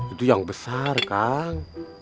itu yang besar kang